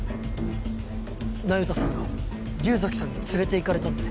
那由他さんが竜崎さんに連れていかれたって。